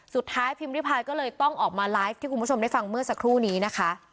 พิมพิพายก็เลยต้องออกมาไลฟ์ที่คุณผู้ชมได้ฟังเมื่อสักครู่นี้นะคะ